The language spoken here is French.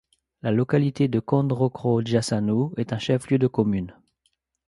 La localité de Kondrokro-Djassanou est un chef-lieu de commune.